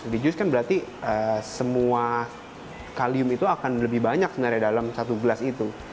di jus kan berarti semua kalium itu akan lebih banyak sebenarnya dalam satu gelas itu